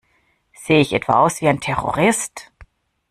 Sehe ich etwa aus wie ein Terrorist?